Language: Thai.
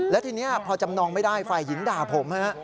แล้วทีนี้พอจำนองไม่ได้ฝ่ายหญิงด่าผมฮะ